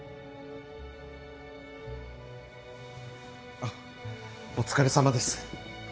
あっお疲れさまです。